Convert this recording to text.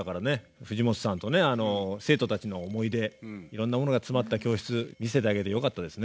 藤本さんとね生徒たちの思い出いろんなものが詰まった教室見せてあげれてよかったですね。